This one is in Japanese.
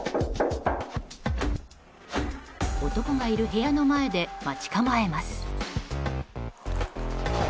男がいる部屋の前で待ち構えます。